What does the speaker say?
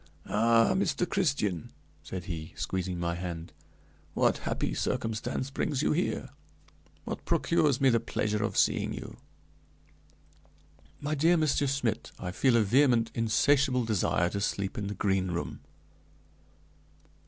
"Ah, Master Christian," said he, squeezing my hand, "what happy circumstance brings you here? What procures me the pleasure of seeing you?" "My dear Monsieur Schmidt, I feel a vehement, insatiable desire to sleep in the Green Room."